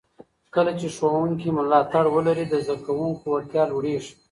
کله چې ښوونکي ملاتړ ولري، د زده کوونکو وړتیا لوړېږي.